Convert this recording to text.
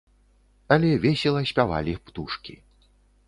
Але весела спявалі птушкі.